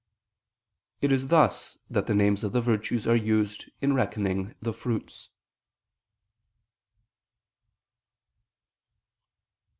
It is thus that the names of the virtues are used in reckoning the fruits.